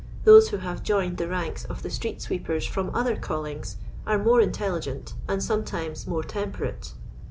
Those who have joined the ranks of the street sweepers from other callings are more intelligent, and sometimes more temperate.